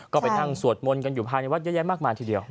ก็ไปนั่งสวดมนต์กันอยู่ภายในวัดเยอะแยะมากมายทีเดียว